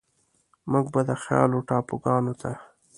موږ به د خيال و ټاپوګانوته،